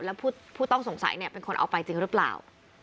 แล้วผู้ต้องสงสัยเนี่ยเป็นคนเอาไปจริงหรือเปล่า